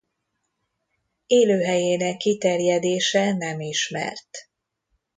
Élőhelyének kiterjedése nem ismert.